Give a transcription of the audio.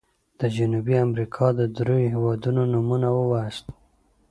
د جنوبي امريکا د دریو هيوادونو نومونه ووایاست.